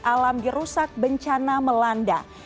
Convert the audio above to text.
alam dirusak bencana melanda